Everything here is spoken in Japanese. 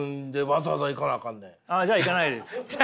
あっじゃあ行かないです。